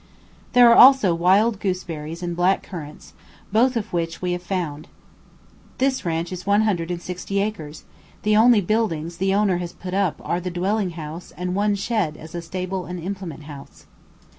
There are also wild gooseberries and black currants, both of which we have found. This ranch is 160 acres; the only buildings the owner has put up are the dwelling house and one shed as a stable and implement house.